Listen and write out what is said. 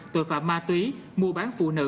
tội phạm ma túy mua bán phụ nữ